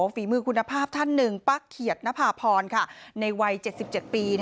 ฝีมือคุณภาพท่านหนึ่งป้าเขียดนภาพรในวัย๗๗ปี